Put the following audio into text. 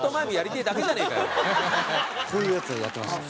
こういうやつをやってました。